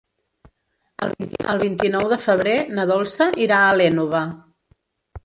El vint-i-nou de febrer na Dolça irà a l'Énova.